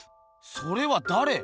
それはだれ？